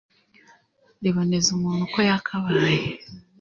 riboneza umuntu uko yakabaye.